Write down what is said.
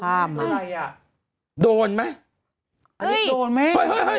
พามาโดนไหมโดนไหมเฮ้ย